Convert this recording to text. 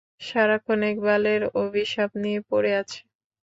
সারাক্ষণ এক বালের অভিশাপ নিয়ে পড়ে আছে।